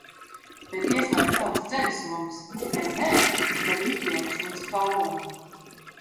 Bet ieslēdz savas ceļasomas, ja nē, es tevi izģērbšu līdz kaulam!